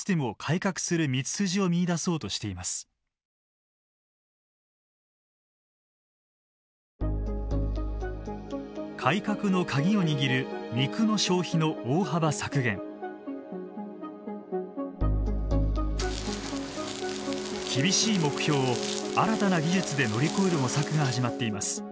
厳しい目標を新たな技術で乗り越える模索が始まっています。